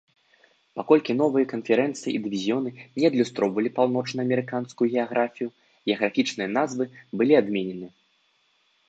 Паколькі новыя канферэнцыі і дывізіёны не адлюстроўвалі паўночнаамерыканскую геаграфію, геаграфічныя назвы былі адменены.